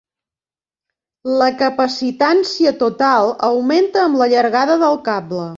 La capacitància total augmenta amb la llargada del cable.